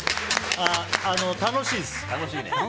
楽しいです。